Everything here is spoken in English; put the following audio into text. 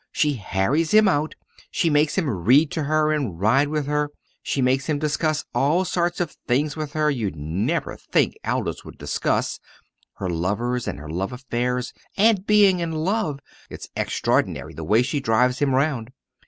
She harries him out. She makes him read to her and ride with her. She makes him discuss all sorts of things with her you'd never think Aldous would discuss her lovers and her love affairs, and being in love! it's extraordinary the way she drives him round.